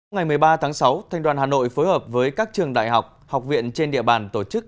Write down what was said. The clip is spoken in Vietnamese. ngày một mươi ba tháng sáu thanh đoàn hà nội phối hợp với các trường đại học học viện trên địa bàn tổ chức